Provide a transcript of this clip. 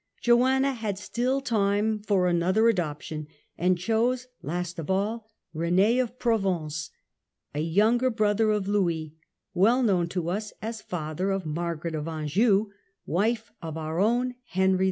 Joanna had still time Adoption for another adoption, and chose last of all Rene of Bon, 1434 Provence, a younger brother of Louis, well known to us as father of Margaret of Anjou, wife of our own Henry VI.